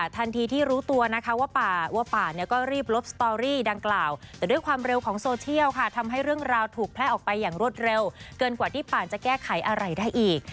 ทันทีที่รู้ตัวนะคะว่าป่านก็รีบลบสตอรี่ดังกล่าวแต่ด้วยความเร็วของโซเชียลค่ะทำให้เรื่องราวถูกแพร่ออกไปอย่างรวดเร็วเกินกว่าที่ป่านจะแก้ไขอะไรได้อีก